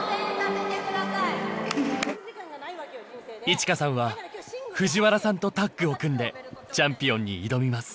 衣千華さんは藤原さんとタッグを組んでチャンピオンに挑みます。